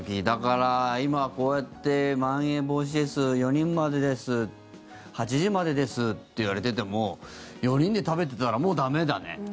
だから、今、こうやってまん延防止です、４人までです８時までですって言われてても４人で食べていたらもう駄目だね。